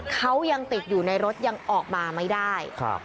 เขายังติดอยู่ในรถยังออกมาไม่ได้